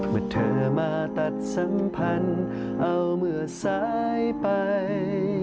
เมื่อเธอมาตัดสัมพันธ์เอาเมื่อซ้ายไป